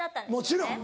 もちろん。